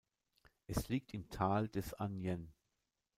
Es liegt im Tal des Aniene.